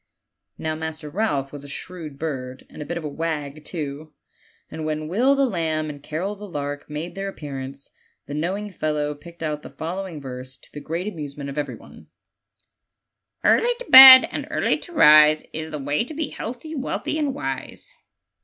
Now, Master Ralph was a shrewd bird, and a bit of a wag too; and when Will the lamb and Carol the lark made their appearance, the knowing fellow picked out the following verse, to the great amusement of everybody: " Early to bed, and early to rise, Is the way to be healthy, wealthy, and wise."